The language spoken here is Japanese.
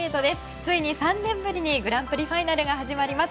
ついに３年ぶりにグランプリファイナルが始まります。